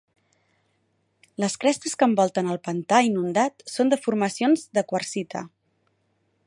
Les crestes que envolten el pantà inundat són de formacions de quarsita.